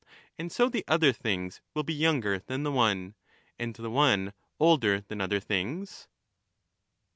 And so the other things will be younger than the one, and the one older than other things